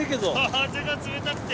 風が冷たくて！